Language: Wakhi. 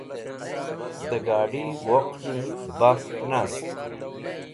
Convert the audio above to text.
Dẽ gad̃i woqni baf nast.